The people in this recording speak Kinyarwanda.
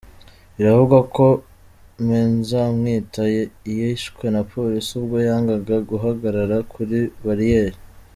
Biravugwa ko Me Nzamwita yishwe na Polisi ubwo yangaga guhagarara kuri bariyeri.